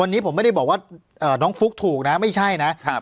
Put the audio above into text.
วันนี้ผมไม่ได้บอกว่าน้องฟุ๊กถูกนะไม่ใช่นะครับ